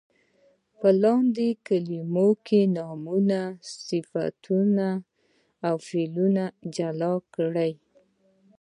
په لاندې کلمو کې نومونه، صفتونه او فعلونه جلا کړئ.